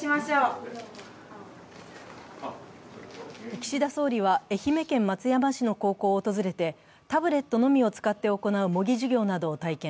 岸田総理は愛媛県松山市の高校を訪れて、タブレットのみを使って行う模擬授業などを体験。